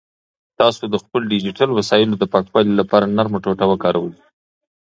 تاسو د خپلو ډیجیټل وسایلو د پاکوالي لپاره نرمه ټوټه وکاروئ.